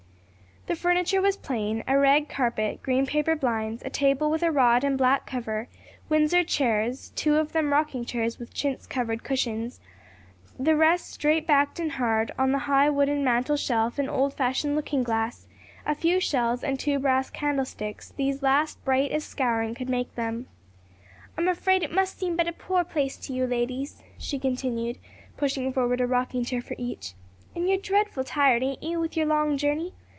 The furniture was plain a rag carpet, green paper blinds, a table with a rod and black cover, windsor chairs, two of them rocking chairs with chintz covered cushions, the rest straight backed and hard; on the high wooden mantel shelf an old fashioned looking glass, a few shells and two brass candlesticks; these last bright as scouring could make them. "I'm afraid it must seem but a poor place to you, ladies," she continued, pushing forward a rocking chair for each. "And you're dreadful tired, ain't you? with your long journey.